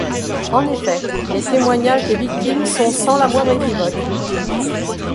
En effet, les témoignages des victimes sont sans la moindre équivoque.